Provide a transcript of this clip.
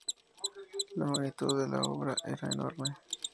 La magnitud de la obra era enorme.